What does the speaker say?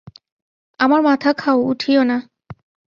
আমার মাথা খাও, উঠিয়ো না।